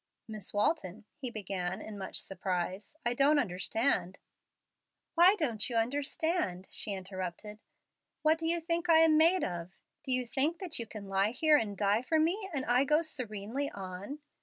"Miss Walton," he began, in much surprise, "I don't understand " "Why don't you understand?" she interrupted. "What do you think I am made of? Do you think that you can lie here and die for me and I go serenely on?